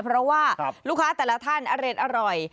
เพราะว่าลูกค้าแต่ละท่านอร่อย